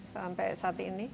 sampai saat ini